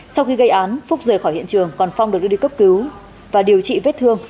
sau khi gây án phúc rời khỏi hiện trường còn phong được đưa đi cấp cứu và điều trị vết thương